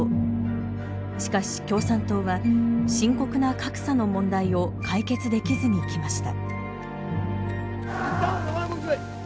しかし共産党は深刻な格差の問題を解決できずにきました。